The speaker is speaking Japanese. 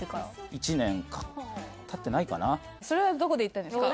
１年たってないかなそれはどこで言ったんですか？